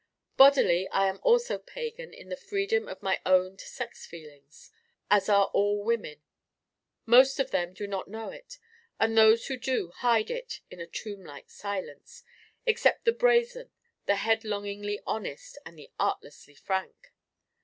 Bodily I am also pagan in the freedom of my owned sex feelings as are all women. Most of them do not know it and those who do hide it in a tomb like silence, except the brazen, the headlongly honest and the artlessly frank.